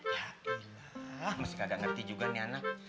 ya allah masih gak ngerti juga nih anak